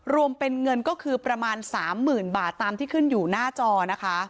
รวมเป็นเงินก็คือประมาณ๓๐๐๐บาทตามที่ขึ้นอยู่หน้าจอนะคะ